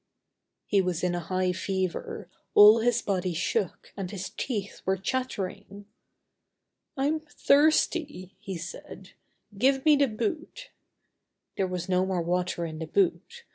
He was in a high fever; all his body shook and his teeth were chattering. "I'm thirsty," he said; "give me the boot." There was no more water in the boot.